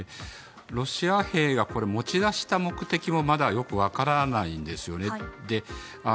ロシア兵がこれ、持ち出した目的もまだよくわからないんですよね。